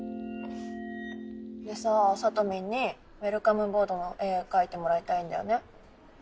でさサトミンにウエルカムボードの絵を描いてもらいたいんだよね。